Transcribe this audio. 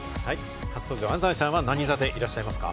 初登場、安斉さんは何座でいらっしゃいますか？